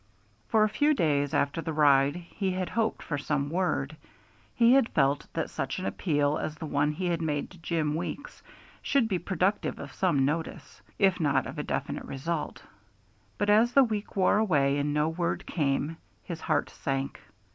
For a few days after the ride he had hoped for some word; he had felt that such an appeal as the one he had made to Jim Weeks should be productive of some notice, if not of a definite result. But as the week wore away, and no word came, his heart sank.